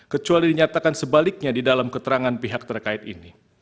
kecuali dinyatakan sebaliknya di dalam keterangan pihak terkait ini